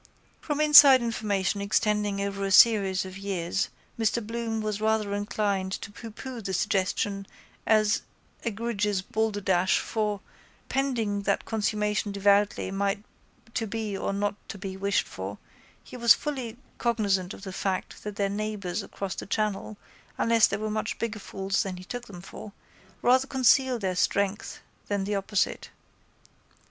From inside information extending over a series of years Mr Bloom was rather inclined to poohpooh the suggestion as egregious balderdash for, pending that consummation devoutly to be or not to be wished for, he was fully cognisant of the fact that their neighbours across the channel, unless they were much bigger fools than he took them for, rather concealed their strength than the opposite.